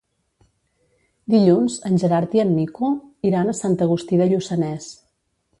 Dilluns en Gerard i en Nico iran a Sant Agustí de Lluçanès.